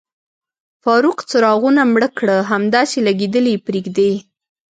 فاروق، څراغونه مړه کړه، همداسې لګېدلي یې پرېږدئ.